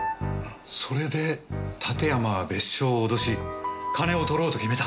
それで館山は別所を脅し金をとろうと決めた。